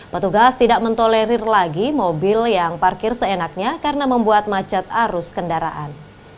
petugas tidak mentolerir lagi mobil yang parkir seenaknya karena membuat macet arus kendaraan